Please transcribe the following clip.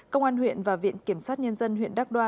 công an huyện và viện kiểm sát nhân dân huyện đắc đoa